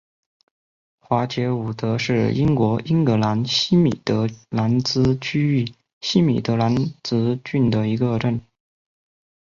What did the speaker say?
华捷伍德是英国英格兰西米德兰兹区域西米德兰兹郡的一个镇。